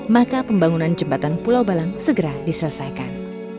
maka pembangunan jembatan pulau balang segera diselesaikan